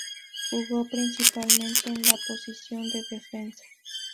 Jugó principalmente en la posición de Defensa.